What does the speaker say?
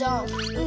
うん。